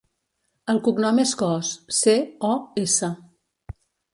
El cognom és Cos: ce, o, essa.